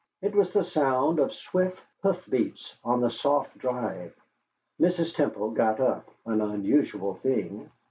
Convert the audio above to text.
It was the sound of swift hoof beats on the soft drive. Mrs. Temple got up, an unusual thing.